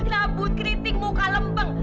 labut keriting muka lembang